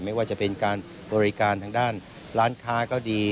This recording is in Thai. ไม่ว่าจะเป็นการบริการทางด้านร้านค้าก็ดี